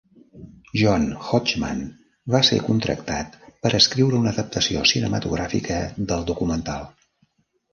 John Hodgman va ser contractat per escriure una adaptació cinematogràfica del documental.